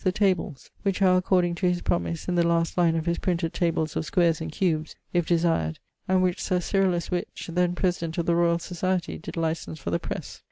THE TABLES, which are according to his promise in the last line of his printed tables of squares and cubes (if desired) and which Sir Cyrillus Wych (then president of the Royall Society) did license for the press.